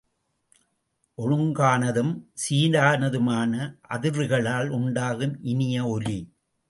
ஒழுங்கானதும் சீரானதுமான அதிர்வுகளால் உண்டாகும் இனிய ஒலி.